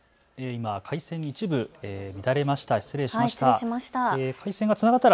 今、回線が一部乱れました。